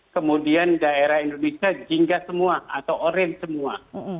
kemudian daerah indonesia jingga semua atau orange semua